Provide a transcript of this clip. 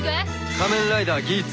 仮面ライダーギーツ。